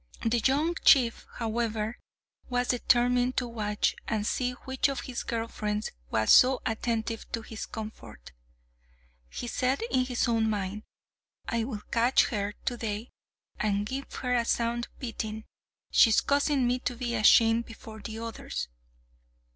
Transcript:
The young chief, however, was determined to watch, and see which of his girl friends was so attentive to his comfort. He said in his own mind, "I will catch her to day, and give her a sound beating; she is causing me to be ashamed before the others."